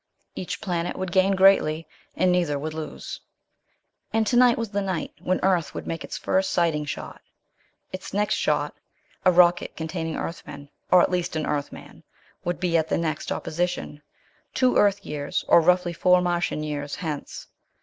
Each planet would gain greatly, and neither would lose. And tonight was the night when Earth would make its first sighting shot. Its next shot, a rocket containing Earthmen, or at least an Earthman, would be at the next opposition, two Earth years, or roughly four Martian years, hence.